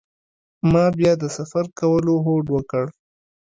ما بیا د سفر کولو هوډ وکړ.